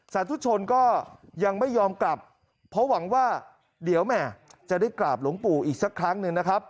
สาธุชนก็ยังไม่ยอมกลับเพราะหวังว่าเดี๋ยวแม่จะได้กราบหลวงปู่อีกสักครั้งหนึ่งนะครับ